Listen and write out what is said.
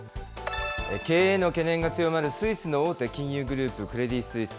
経営の懸念が強まるスイスの大手金融グループ、クレディ・スイス。